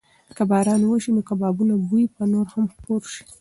که باران وشي نو د کبابو بوی به نور هم خپور شي.